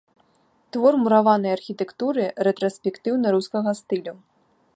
Твор мураванай архітэктуры рэтраспектыўна-рускага стылю.